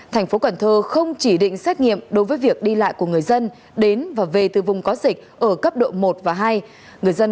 thành phố quảng thơ không chỉ định xét nghiệm đối với việc đi lại của người dân